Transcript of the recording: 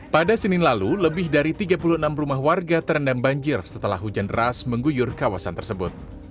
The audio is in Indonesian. pada senin lalu lebih dari tiga puluh enam rumah warga terendam banjir setelah hujan deras mengguyur kawasan tersebut